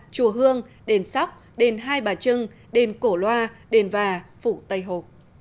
chùa hương đền sóc đền hai bà trưng đền cổ loa đền và phủ tây hồ